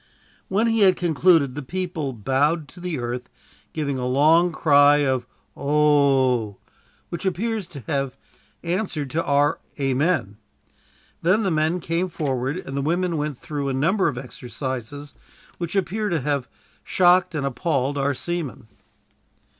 When he had concluded, the people bowed to the earth, giving a long cry of "Oh," which appears to have answered to our "Amen." Then the men came forward, and the women went through a number of exercises, which appear to have shocked and appalled our seamen.